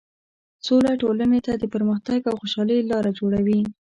سوله ټولنې ته د پرمختګ او خوشحالۍ لاره جوړوي.